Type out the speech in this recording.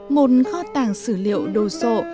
một kho tàng sử liệu đồ sộ